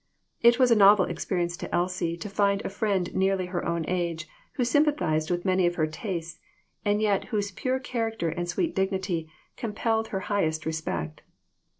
It was a novel experience to Elsie to find a friend nearly her own age who sympathized with many of her tastes, and yet whose pure character and sweet dignity compelled her highest respect.